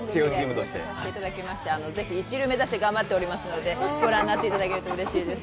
ご一緒させていただきまして、ぜひ一流を目指して頑張っておりますので、ご覧になっていただけるとうれしいです。